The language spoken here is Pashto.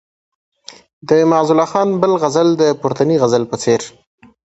د معزالله خان بل غزل د پورتني غزل په څېر.